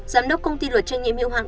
giám đốc công ty luật tranh nhiệm hiệu hạn